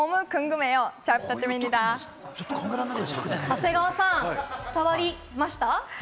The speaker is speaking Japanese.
長谷川さん、伝わりました？